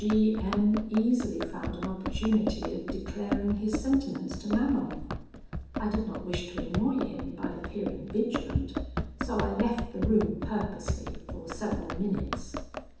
G M easily found an opportunity of declaring his sentiments to Manon. I did not wish to annoy him by appearing vigilant, so I left the room purposely for several minutes.